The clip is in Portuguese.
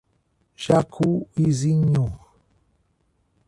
Jacuizinho